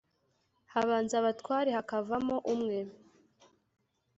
habanza abatware: hakavamo umwe